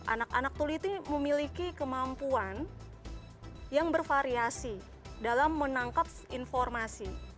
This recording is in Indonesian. anak anak tuliti memiliki kemampuan yang bervariasi dalam menangkap informasi